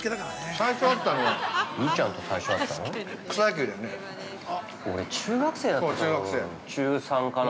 最初会ったの◆雄ちゃんと最初会ったの？